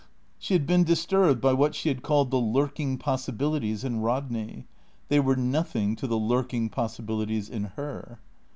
She had been disturbed by what she had called the "lurking possibilities" in Rodney; they were nothing to the lurking possibilities in her.